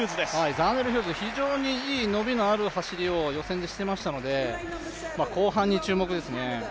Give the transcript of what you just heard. ザーネル・ヒューズ、非常にいい伸びのある走りを予選でしてましたので後半に注目ですね。